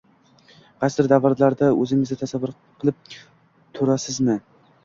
Qaysidir davrlarda o‘zingizni tasavvur qilib turasizmiю